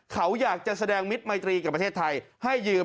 เขาอยากจะแสดงมิตรมัยตรีกับประเทศไทยให้ยืม